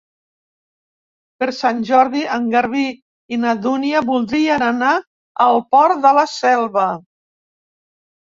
Per Sant Jordi en Garbí i na Dúnia voldrien anar al Port de la Selva.